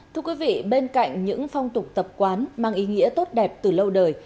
thưa quý vị bên cạnh những phong tục tập quán mang ý nghĩa tốt đẹp từ lâu đời